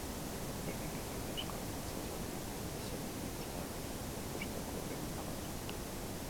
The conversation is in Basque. Berdinketa bidezko emaitza izan da zelaian ikusitakoaren arabera.